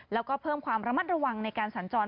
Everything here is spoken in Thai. แล้วก็เพิ่มความระมัดระวังในการสัญจร